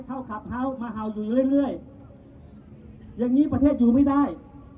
เขาขับเฮาสมาเห่าอยู่เรื่อยอย่างนี้ประเทศอยู่ไม่ได้